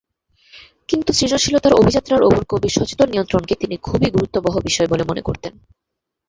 কিন্তু সৃজনশীলতার অভিযাত্রার ওপর কবির সচেতন নিয়ন্ত্রণকে তিনি খুবই গুরুত্ববহ বিষয় বলে মনে করতেন।